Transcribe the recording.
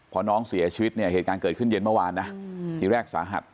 พอน้องเสียชีวิตเนี่ยเหตุการณ์เกิดขึ้นเย็นเมื่อวานนะทีแรกสาหัส